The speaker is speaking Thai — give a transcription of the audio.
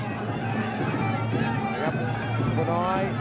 เลยครับภูมิพ่อน้อย